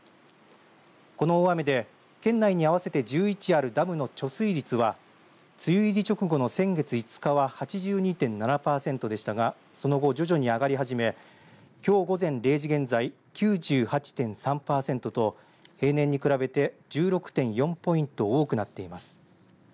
この大雨で県内に合わせて１１あるダムの貯水率は梅雨入り直後の先月５日は８２．７パーセントでしたがその後、徐々に上がり始めきょう午前０時現在９８．３パーセントと平年に比べて１６．４ポイント多くなっています。